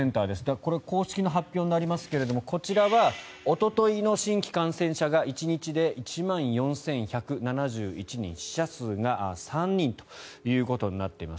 これ、公式の発表になりますがこちらはおとといの新規感染者が１日で１万４１７１人死者数が３人ということになっています。